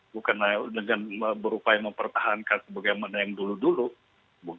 bukan dengan berupaya mempertahankan sebagaimana yang dulu dulu